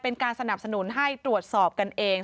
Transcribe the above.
เป็นการสนับสนุนให้ตรวจสอบกันเอง